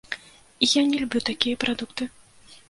І я не люблю такія прадукты.